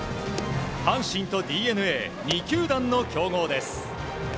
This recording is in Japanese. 阪神とＤｅＮＡ２球団の競合です。